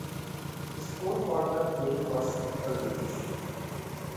The score for the film was never released.